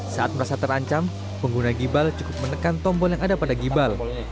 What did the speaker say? saat merasa terancam pengguna gibal cukup menekan tombon yang ada pada gibal